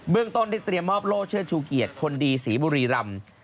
เรื่องต้นได้เตรียมมอบโล่เชิดชูเกียรติคนดีศรีบุรีรำ